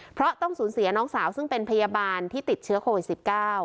เพราะต้องสูญเสียน้องสาวซึ่งเป็นพยาบาลที่ติดเชื้อโควิด๑๙